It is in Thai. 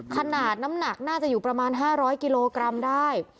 ขนาดน้ำหนักน่าจะอยู่ประมาณ๕๐๐กิโลกรัมได้